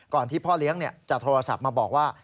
ที่พ่อเลี้ยงจะโทรศัพท์มาบอกว่า